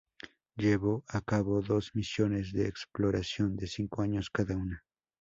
Llevó a cabo dos misiones de exploración de cinco años cada una.